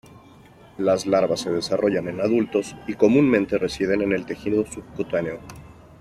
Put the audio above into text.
Las larvas se desarrollan en adultos y comúnmente residen en el tejido subcutáneo.